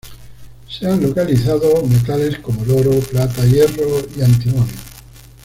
Se han localizado metales como el oro, plata, hierro y antimonio.